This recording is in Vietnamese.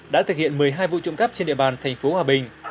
đã thực hiện một mươi hai vụ trộm cắp trên địa bàn thành phố hòa bình